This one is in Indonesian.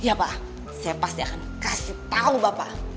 iya pak saya pasti akan kasih tahu bapak